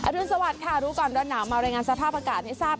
รุนสวัสดิ์ค่ะรู้ก่อนร้อนหนาวมารายงานสภาพอากาศให้ทราบ